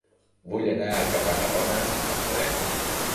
Vull anar a Cabanabona amb tren.